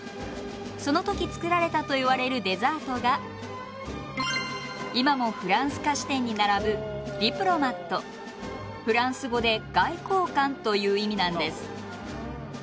その時作られたといわれるデザートが今もフランス菓子店に並ぶフランス語で「外交官」という意味なんです。